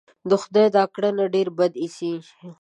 د خدای دا کړنه ډېره بده اېسي.